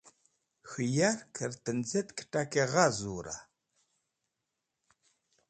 K̃hũ yark hẽr tenz̃etk kẽt̃aki gha zura?